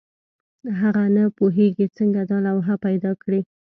هغه نه پوهېږي څنګه دا لوحه پیدا کړي.